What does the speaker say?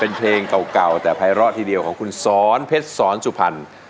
เป็นเพลงเก่าแต่ภัยร้อทีเดียวของคุณสอนเพชรสอนสุพรรณ